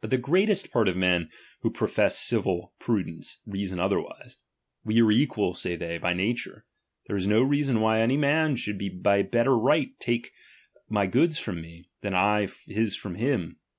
But the greatest part of men who profess civil prudence, reason otherwise. We are equal, say they, by nature ; there is no reason why any man should by better right take my goods from me, than I his from him.